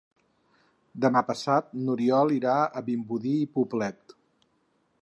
Demà passat n'Oriol irà a Vimbodí i Poblet.